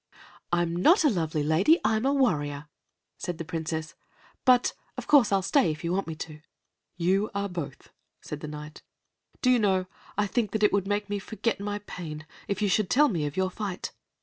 "I'm not a lovely lady, I'm a warrior," said the Princess; "but of course I'll stay if you want me to." "You are both," said the Knight. "Do you know I think that it would make me forget my pain if you should tell me of your fight."